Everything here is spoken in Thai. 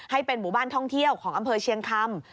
ให้เป็นหมู่บ้านท่องเที่ยวของอำเภอเชียงคำ